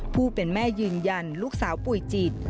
ผู้เป็นแม่ยืนยันลูกสาวป่วยจิต